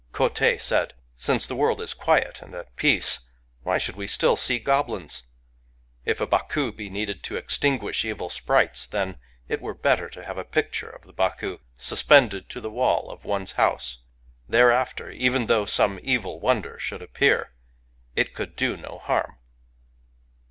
Kotei said :^ Since the world is quiet and at peace, why should we still see goblins ? If a Baku be needed to extinguish evil sprites, then it were better to have a picture of the Baku suspended to the wall of one's house. There after, even though some evil Wonder should appear, it could do no harm.'